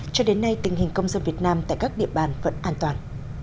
cho đến nay tình hình công dân việt nam tại các địa bàn vẫn an toàn